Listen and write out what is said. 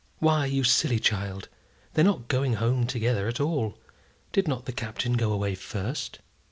"Why, you silly child, they're not going home together at all. Did not the Captain go away first?"